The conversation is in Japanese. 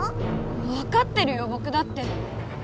わかってるよぼくだって！